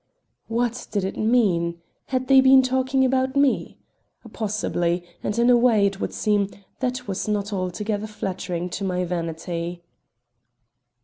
What did it mean? Had they been talking about me? Possibly; and in a way, it would seem, that was not altogether flattering to my vanity.